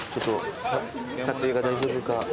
撮影が大丈夫か。